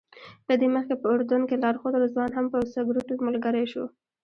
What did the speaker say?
له دې مخکې په اردن کې لارښود رضوان هم په سګرټو ملګری شو.